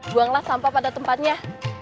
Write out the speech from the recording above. buanglah sampah pada tempatnya